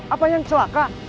apanya yang celaka